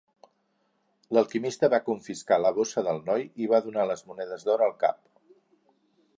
L'alquimista va confiscar la bossa del noi i va donar les monedes d'or al cap.